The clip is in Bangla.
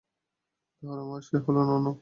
তাহলে মা সে-ই হলো না?